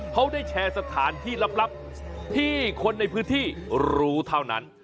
เขาได้แชร์สถานที่ลับที่คนในพื้นที่รู้เท่านั้น